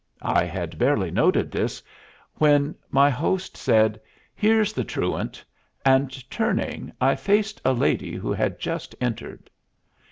I had barely noted this, when my host said, "Here's the truant," and, turning, I faced a lady who had just entered.